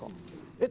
えっ？